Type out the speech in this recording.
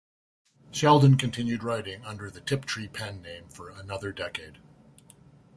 Sheldon continued writing under the Tiptree pen name for another decade.